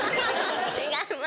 違います。